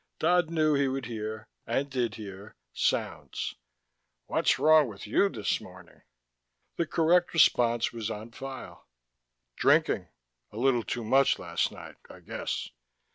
Dodd knew he would hear, and did hear, sounds: "What's wrong with you this morning?" The correct response was on file. "Drinking a little too much last night, I guess."